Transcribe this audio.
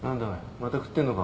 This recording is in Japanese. また食ってるのか？